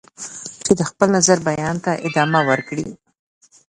چې د خپل نظر بیان ته ادامه ورکړي.